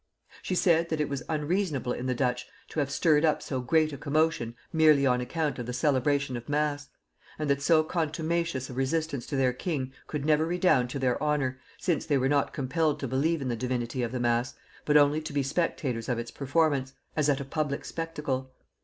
She said, that it was unreasonable in the Dutch to have stirred up so great a commotion merely on account of the celebration of mass; and that so contumacious a resistance to their king could never redound to their honor, since they were not compelled to believe in the divinity of the mass, but only to be spectators of its performance, as at a public spectacle.